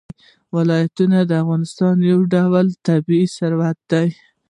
ولایتونه د افغانستان یو ډول طبعي ثروت دی.